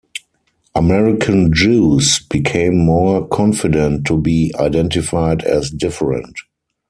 American Jews became more confident to be identified as different.